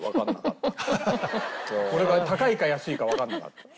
これが高いか安いかわかんなかった。